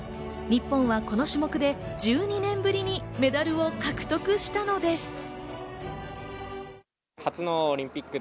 日本はこの種目で１２年ぶりにメダルを獲得したのです。